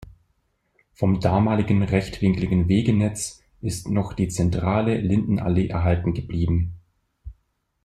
Vom damaligen rechtwinkligen Wegenetz ist noch die zentrale Lindenallee erhalten geblieben.